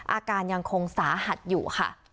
อาการยังคงสาหัสอยู่ค่ะ